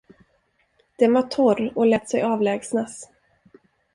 Den var torr och lät sig avlägsnas.